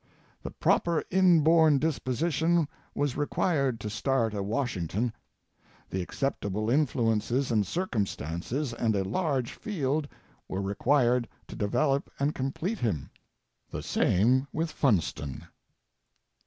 The proper inborn disposition was required to start a Washing ton; the acceptable influences and circumstances and a large field were required to develop and complete him. The same with Funston.